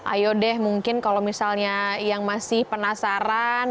ayo deh mungkin kalau misalnya yang masih penasaran